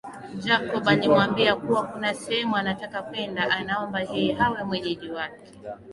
Jacob alimwambia kuwa kuna sehemu anataka kwenda anaomba yeye awe mwenyeji wake